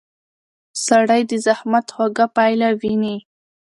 سړی د زحمت خوږه پایله ویني